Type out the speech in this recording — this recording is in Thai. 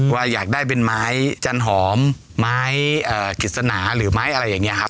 ว่าอยากได้เป็นไม้จันหอมไม้กฤษณาหรือไม้อะไรอย่างนี้ครับ